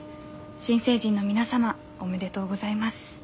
新成人の皆様おめでとうございます。